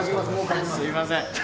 すみません。